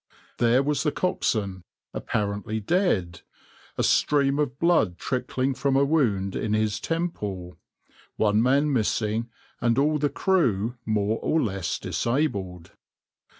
There was the coxswain, apparently dead, a stream of blood trickling from a wound in his temple, one man missing, and all the crew more or less disabled.